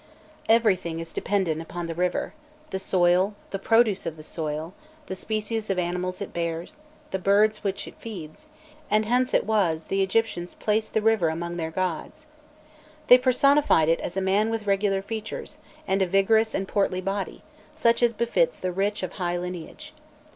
Everything is dependent upon the river: the soil, the produce of the soil, the species of animals it bears, the birds which it feeds: and hence it was the Egyptians placed the river among their gods. They personified it as a man with regular features, and a vigorous and portly body, such as befits the rich of high lineage.